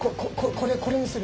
これにする。